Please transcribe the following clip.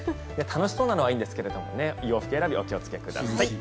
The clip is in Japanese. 楽しそうなのはいいんですが洋服選びにはお気をつけください。